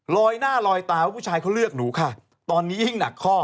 ลอยหน้าลอยตาว่าผู้ชายเขาเลือกหนูค่ะตอนนี้ยิ่งหนักข้อ